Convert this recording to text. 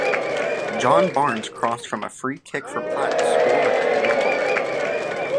John Barnes crossed from a free-kick for Platt to score with a headed goal.